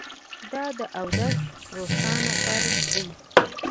دا د اودس روښانه فرض دی